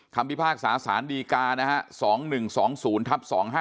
คัมภิพากษาสารดีกานะฮะ๒๑๒๐๒๕๖๓